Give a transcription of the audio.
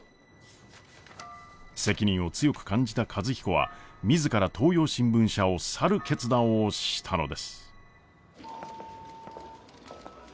責任を強く感じた和彦は自ら東洋新聞社を去る決断をしたのです。